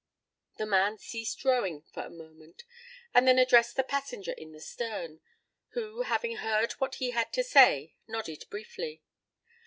The man ceased rowing for a moment and then addressed the passenger in the stern, who, having heard what he had to say, nodded briefly.